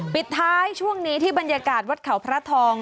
ปิดท้ายช่วงนี้ที่บรรยากาศวัดเขาพระทอง